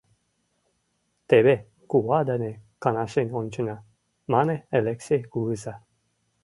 — Теве кува дене каҥашен ончена, — мане Элексей кугыза.